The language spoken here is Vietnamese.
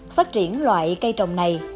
phát triển loại cây trồng này